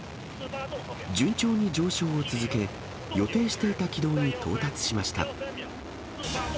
順調に上昇を続け、予定していた軌道に到達しました。